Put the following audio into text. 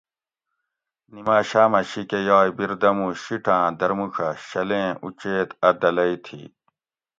نیماشامہ شیکہ یائ بردمو شیٹاۤں درموڄہ شلیں اوچیت اۤ دلئ تھی